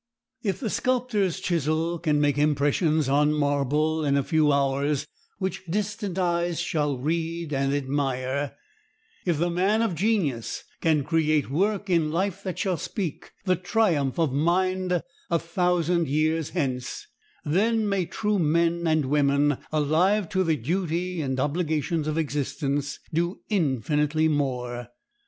If the sculptor's chisel can make impressions on marble in a few hours which distant eyes shall read and admire, if the man of genius can create work in life that shall speak the triumph of mind a thousand years hence, then may true men and women, alive to the duty and obligations of existence, do infinitely more.